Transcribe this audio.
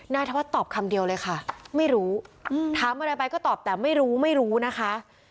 ธวัฒน์ตอบคำเดียวเลยค่ะไม่รู้ถามอะไรไปก็ตอบแต่ไม่รู้ไม่รู้นะคะ